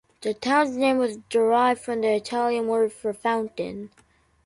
The town's name was derived from the Italian word for fountain.